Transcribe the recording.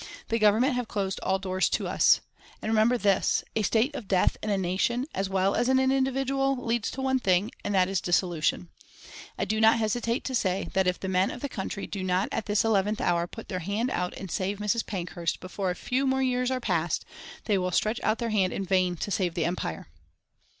The Government have closed all doors to us. And remember this a state of death in a nation, as well as in an individual, leads to one thing, and that is dissolution. I do not hesitate to say that if the men of the country do not at this eleventh hour put their hand out and save Mrs. Pankhurst, before a few more years are passed they will stretch out their hand in vain to save the Empire."